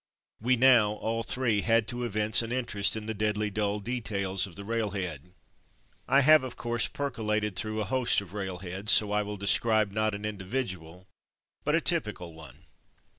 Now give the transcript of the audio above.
We now, all three, had to evince an interest in the deadly dull details of the railhead. I have, of course, percolated through a host of railheads, so I will describe, not an individual, but a typical one.